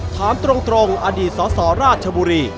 ถามตรงอดีตสสราชบุรี